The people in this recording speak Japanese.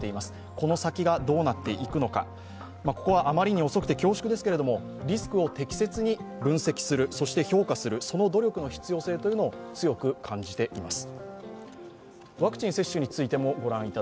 この先がどうなっていくのか、ここはあまりに遅くて恐縮ですがリスクを適切に分析する、そして評価する努力の必要性を強く感じています。